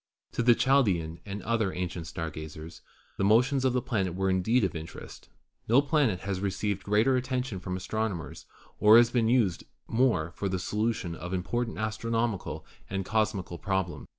To the Chaldean and to other ancient star gazers the mo tions of the planet were indeed of interest. No planet has received greater attention from astronomers or has been used more for the solution of important astronomical and cosmical problems.